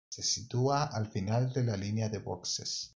Se sitúa al final de la línea de boxes.